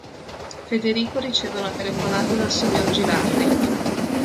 Federico riceve una telefonata dal signor Gilardi.